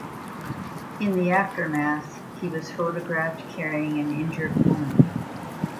In the aftermath, he was photographed carrying an injured woman.